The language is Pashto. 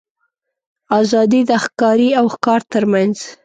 آزادي د ښکاري او ښکار تر منځ.